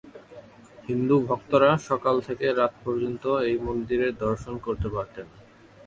হিন্দু ভক্তরা সকাল থেকে রাত পর্যন্ত এই মন্দিরে দর্শন করতে পারেন।